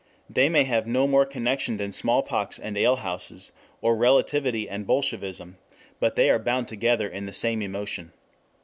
They may have no more connection than smallpox and alehouses, or Relativity and Bolshevism, but they are bound together in the same emotion.